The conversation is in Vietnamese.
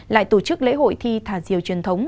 lại tổ chức lễ hội thi thả diều truyền thống